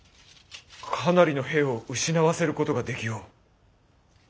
かなりの兵を失わせることができよう。